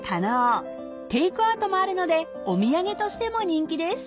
［テークアウトもあるのでお土産としても人気です］